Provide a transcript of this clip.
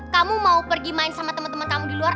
kamu mau pergi main sama teman teman kamu di luar